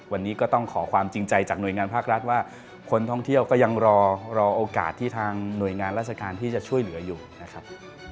วันนี้ก็ต้องขอความจริงใจจากหน่วยงานภาครัฐว่าคนท่องเที่ยวก็ยังรอโอกาสที่ทางหน่วยงานราชการที่จะช่วยเหลืออยู่นะครับ